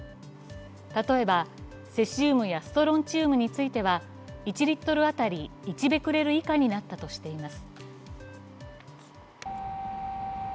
例えばセシウムやストロンチウムについては１リットル当たり１ベクレル以下になったとしています。